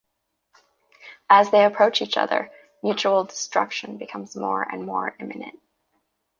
As they approach each other, mutual destruction becomes more and more imminent.